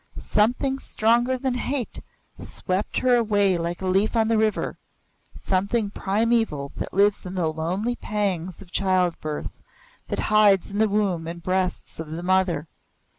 Something stronger than hate swept her away like a leaf on the river; something primeval that lives in the lonely pangs of childbirth, that hides in the womb and breasts of the mother.